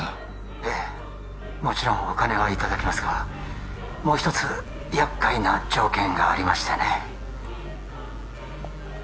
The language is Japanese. ええもちろんお金はいただきますがもう一つ厄介な条件がありましてね